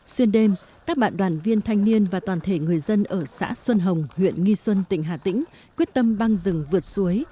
xuyên đêm các bạn đoàn viên thanh niên và toàn thể người dân ở xã xuân hồng huyện nghi xuân tỉnh hà tĩnh quyết tâm băng rừng vượt suối